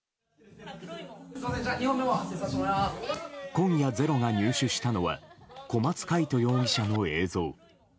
今夜「ｚｅｒｏ」が入手したのは小松魁人容疑者の映像。